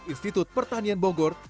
institut pertanian bogor